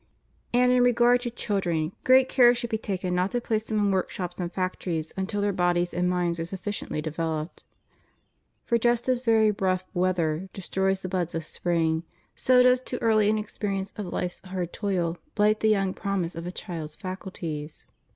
And, in regard to children, great care should be taken not to place them in workshops and fac tories until their bodies and minds are sufficiently de veloped. For just as very rough weather destroys the buds of spring, so does too early an experience of life*« hard toil blight the young promise of a child's faculties, ' Exod. XX. 8. ' G«nesi8 ii. 2. CONDITION OF THE WORKING CLASSES.